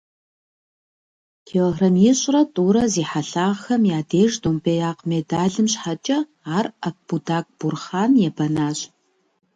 Килограмм ищӀрэ тӀурэ зи хьэлъагъхэм я деж домбеякъ медалым щхьэкӀэ ар Акбудак Бурхъан ебэнащ.